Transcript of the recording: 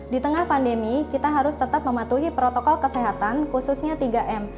di tengah pandemi kita harus tetap mematuhi protokol kesehatan khususnya tiga m